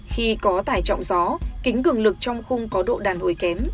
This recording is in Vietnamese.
khi có tải trọng gió kính cường lực trong khung có độ đàn hồi kém